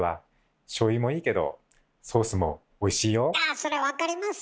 あそれ分かります。